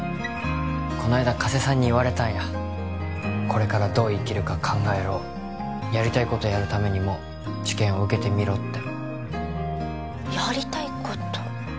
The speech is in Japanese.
こないだ加瀬さんに言われたんやこれからどう生きるか考えろやりたいことやるためにも治験を受けてみろってやりたいこと？